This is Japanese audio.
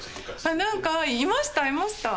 あなんかいましたいました。